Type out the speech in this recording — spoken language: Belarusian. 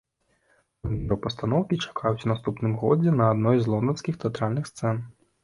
Прэм'еру пастаноўкі чакаюць у наступным годзе на адной з лонданскіх тэатральных сцэн.